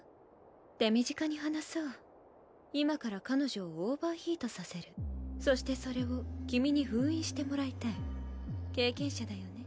手短に話そう今から彼女をオーバーヒートさせるそしてそれを君に封印してもらいたい経験者だよね？